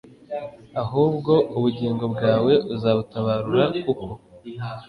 ahubwo ubugingo bwawe uzabutabarura kuko